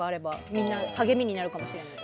みんなの励みになるかもしれない。